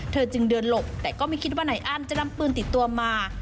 เธอจึงเดินหลบแต่ก็ไม่คิดว่านายอ้ำจะนำปืนติดตัวมา